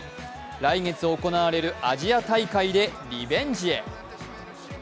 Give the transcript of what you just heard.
来月行われるアジア大会でリベンジへ。